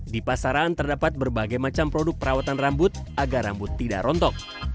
di pasaran terdapat berbagai macam produk perawatan rambut agar rambut tidak rontok